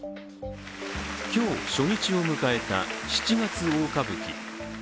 今日、初日を迎えた七月大歌舞伎。